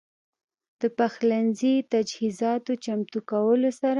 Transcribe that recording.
د پخلنځي تجهيزاتو چمتو کولو سره